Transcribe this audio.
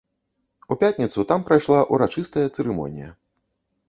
У пятніцу там прайшла ўрачыстая цырымонія.